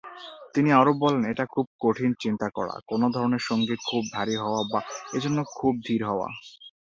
তিনি আরো বলেন এটা খুব কঠিন চিন্তা করা কোন ধরনের সঙ্গীত খুব ভারী হওয়া বা এজন্য খুব ধীর হওয়া।